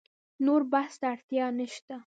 نور بحث ته اړتیا نشته.